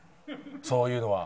そういうのは。